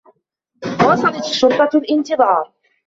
واصلت الشّرطة الانتظار.